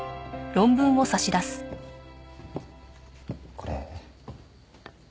これ。